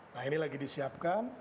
nah ini lagi disiapkan